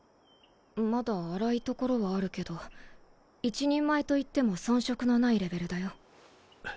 まだ粗いところはあるけど一人前といっても遜色のないレベルだよ。